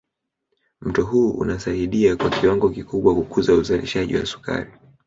Mto huu unasaidia kwa kiwango kikubwa kukuza uzalishaji wa sukari